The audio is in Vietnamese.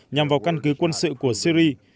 nhằm vào căn cứ quân sự của syri